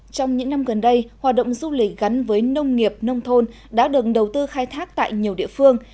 trong những năm gần đây hoạt động du lịch gắn với nông nghiệp nông thôn đã được đầu tư khai thác tại nhiều địa phương